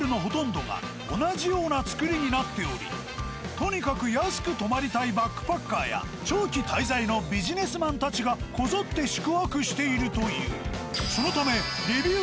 とにかく安く泊まりたいバックパッカーや長期滞在のビジネスマンたちがこぞって宿泊しているという。